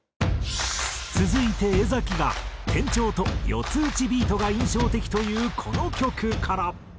続いて江が「転調と４つ打ちビートが印象的」というこの曲から。